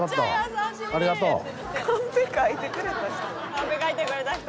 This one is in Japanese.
「カンペ書いてくれた人？」